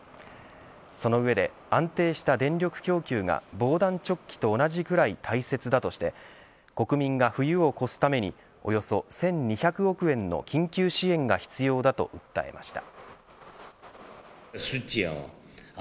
その上で、安定した電力供給が防弾チョッキと同じくらい大切だとして国民が冬を越すためにおよそ１２００億円の緊急支援が必要だと訴えました。